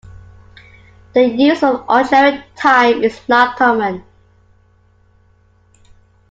The use of Ordinary Time is not common.